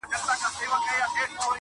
• زه حاصل غواړم له مځکو د باغلیو -